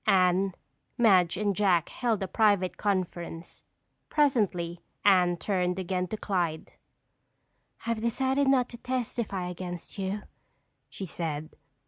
Anne, Madge and Jack held a private conference. Presently, Anne turned again to Clyde. "I've decided not to testify against you," she said.